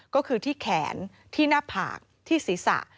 ก็คือที่แขนที่หน้าผากที่ศีรษะ